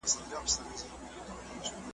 لکه د بزم د پانوس په شپه کي .